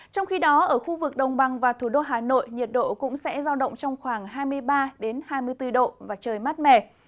trong khi đó ở khu vực đồng bằng và thủ đô hà nội nhiệt độ cũng sẽ giao động trong khoảng hai mươi ba hai mươi bốn độ và trời mát mẻ